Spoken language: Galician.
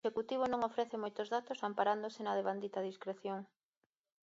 E o Executivo non ofrece moitos datos amparándose na devandita discreción.